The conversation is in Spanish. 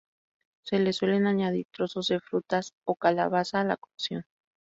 Se le suelen añadir trozos de frutas o calabaza a la cocción.